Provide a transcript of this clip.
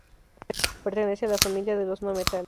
Pertenece a la familia de los no metales.